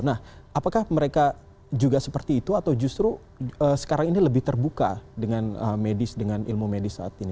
nah apakah mereka juga seperti itu atau justru sekarang ini lebih terbuka dengan medis dengan ilmu medis saat ini